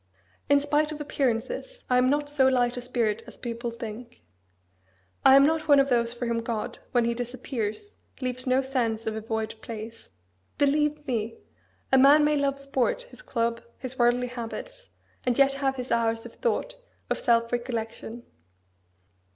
In spite of appearances, I am not so light a spirit as people think. I am not one of those for whom God, when He disappears, leaves no sense of a void place. Believe me! a man may love sport, his club, his worldly habits, and yet have his hours of thought, of self recollection.